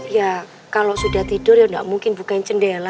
ya kalau sudah tidur ya gak mungkin bukain cendela